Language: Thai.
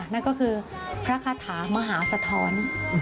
นั่นก็คือพระคาถามหาสะท้อน